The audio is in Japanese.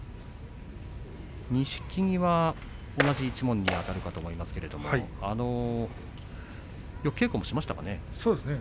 錦木は同じ一門にあたると思うんですけども稽古をしましたか。